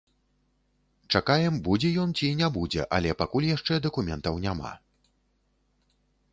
Чакаем, будзе ён ці не будзе, але пакуль яшчэ дакументаў няма.